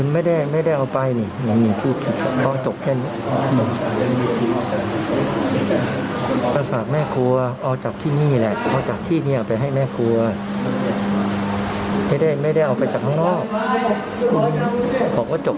ไม่ได้ไม่ได้เอาไปจากข้างนอกอืมของก็จบก็จบมีสวายแล้วน่าจะจบ